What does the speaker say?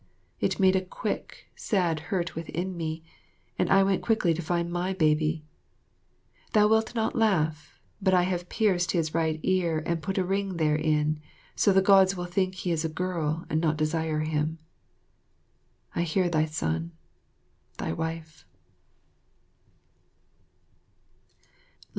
It made a quick, sad hurt within me, and I went quickly to find my baby. Thou wilt not laugh, but I have pierced his right ear and put a ring therein, so the Gods will think he is a girl and not desire him. I hear thy son. Thy Wife.